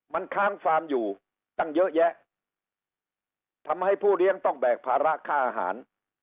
มันค้างฟาร์มอยู่ตั้งเยอะแยะทำให้ผู้เลี้ยงต้องแบกภาระค่าอาหาร